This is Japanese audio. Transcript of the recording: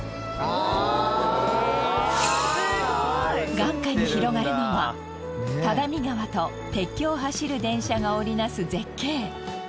眼下に広がるのは只見川と鉄橋を走る電車が織り成す絶景。